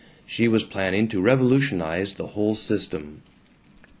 She was planning to revolutionize the whole system.